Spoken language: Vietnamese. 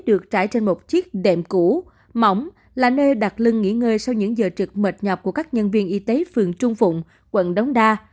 được trải trên một chiếc đệm cũ mỏng là nơi đặt lưng nghỉ ngơi sau những giờ trực mệt nhọc của các nhân viên y tế phường trung phụng quận đống đa